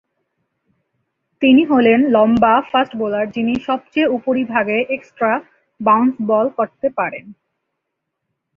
তিনি হলেন লম্বা ফাস্ট বোলার যিনি সবচেয়ে উপরিভাগে এক্সট্রা বাউন্স বল করতে পারেন।